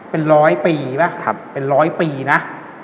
เป็น๑๐๐ปีไหมเป็นร้อยปีนะ